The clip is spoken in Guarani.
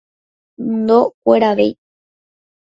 Ndokueravéi.